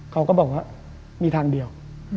เขาก็บอกว่ามีทางเดียว